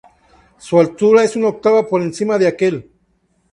Su altura es una octava por encima de aquel.